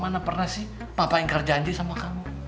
mana pernah sih papa ingkar janji sama kamu